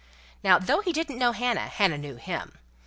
Now though he didn't know Hannah, Hannah knew him.